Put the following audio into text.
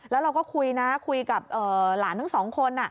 แล้วเราก็คุยนะคุยกับหลานทั้งสองคน